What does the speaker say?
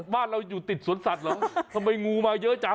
บ้านเราอยู่ติดสวนสัตว์เหรอทำไมงูมาเยอะจัง